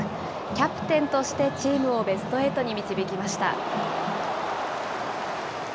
キャプテンとしてチームをベストエイトに導きました。